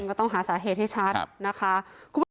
ก็ต้องหาสาเหตุให้ชัดนะคะ